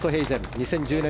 ２０１０年